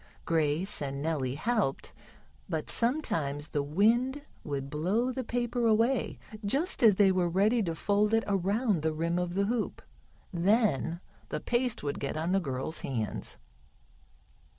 Grace and Nellie helped, but sometimes the wind would blow the paper away just as they were ready to fold it around the rim of the hoop. Then the paste would get on the girls' hands.